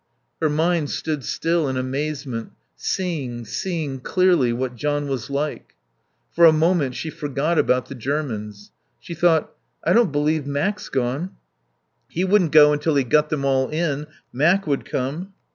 Her mind stood still in amazement, seeing, seeing clearly, what John was like. For a moment she forgot about the Germans. She thought: I don't believe Mac's gone. He wouldn't go until he'd got them all in. Mac would come.